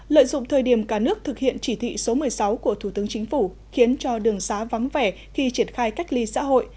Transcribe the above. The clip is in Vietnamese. lợi dụng thời điểm cả nước thực hiện chỉ thị số một mươi sáu của thủ tướng chính phủ khiến cho đường xá vắng vẻ khi triển khai cách ly xã hội